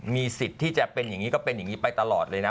มีสิทธิ์ที่จะเป็นอย่างนี้ก็เป็นอย่างนี้ไปตลอดเลยนะ